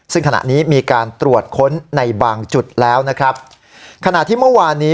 ซึ่งขณะนี้มีการตรวจค้นในบางจุดแล้วนะครับขณะที่เมื่อวานนี้